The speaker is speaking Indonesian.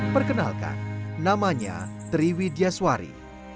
perkenalkan namanya triwi diaswari